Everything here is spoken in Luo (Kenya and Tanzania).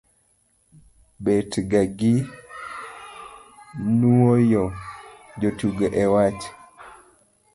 betga gi nuoyo jotugo e wach?